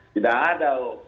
tidak ada loh